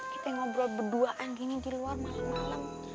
kita ngobrol berduaan gini di luar malem malem